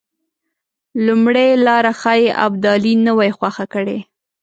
لومړۍ لاره ښایي ابدالي نه وای خوښه کړې.